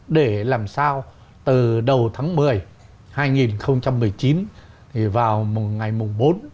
để làm sao từ đầu tháng một mươi hai nghìn một mươi chín vào ngày mùng bốn